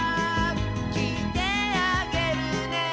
「きいてあげるね」